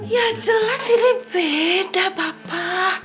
ya jelas ini beda papa